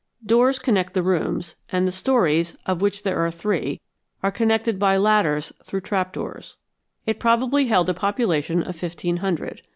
Doors connect the rooms, and the stories, of which there are three, are connected by ladders through trapdoors. It probably held a population of fifteen hundred.